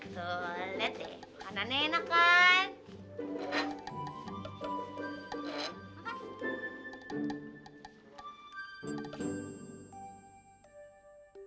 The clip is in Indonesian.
tuh lihat deh makannya enak kan